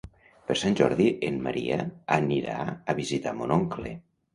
Per Sant Jordi en Maria anirà a visitar mon oncle.